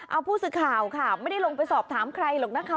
เอาผู้สื่อข่าวค่ะไม่ได้ลงไปสอบถามใครหรอกนะคะ